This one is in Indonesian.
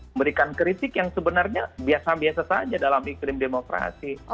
memberikan kritik yang sebenarnya biasa biasa saja dalam iklim demokrasi